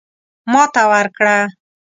ماته ورکړه.